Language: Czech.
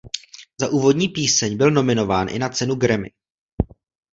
Za úvodní píseň byl nominován i na cenu Grammy.